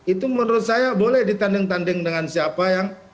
itu menurut saya boleh ditanding tanding dengan siapa yang